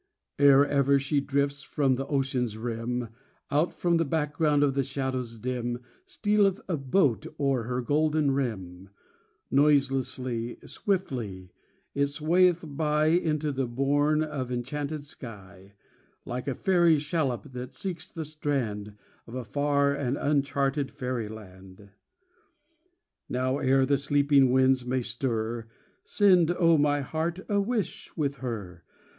Ere ever she drifts from the ocean's rim, Out from the background of shadows dim, Stealeth a boat o'er her golden rim; Noiselessly, swiftly, it swayeth by Into the bourne of enchanted sky, Like a fairy shallop that seeks the strand Of a far and uncharted fairyland. 16 Now, ere the sleeping winds may stir, Send, O, my heart, a wish with her.